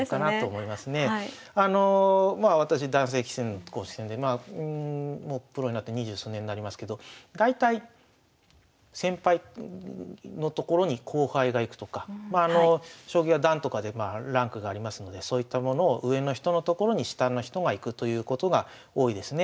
まあ私男性棋戦の公式戦でもうプロになって二十数年なりますけど大体先輩のところに後輩が行くとか将棋は段とかでランクがありますのでそういったものを上の人のところに下の人が行くということが多いですね。